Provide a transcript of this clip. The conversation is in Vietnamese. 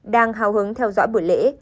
đang hào hứng theo dõi buổi lễ